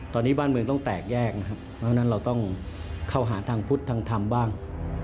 ตอนนี้บ้านเมืองต้องแตกแยกนะครับเพราะฉะนั้นเราต้องเข้าหาทางพุทธทางธรรมบ้าง